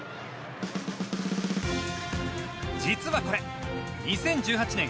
実はこれ、２０１８年